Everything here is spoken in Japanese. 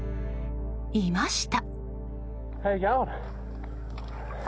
いました！